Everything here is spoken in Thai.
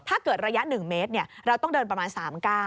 ถ้าเกิดระยะ๑เมตรเราต้องเดินประมาณ๓๙